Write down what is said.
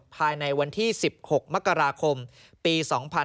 ภายในวันที่๑๖มกราคมปี๒๕๕๙